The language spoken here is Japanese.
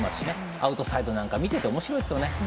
アウトサイドなんか見てておもしろいですよね。